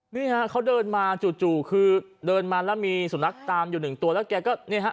นี่ฮะเขาเดินมาจู่คือเดินมาแล้วมีสุนัขตามอยู่หนึ่งตัวแล้วแกก็เนี่ยฮะ